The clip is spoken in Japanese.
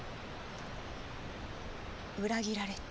裏切られた。